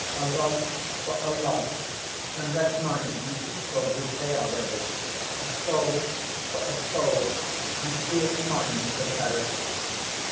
A love for a love, and let mine be equalled with Keawe's! A soul for a soul, and be it mine to perish!"